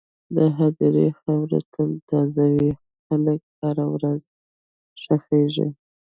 د هدیرې خاوره تل تازه وي، خلک هره ورځ ښخېږي.